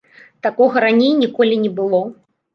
Такога раней ніколі не было.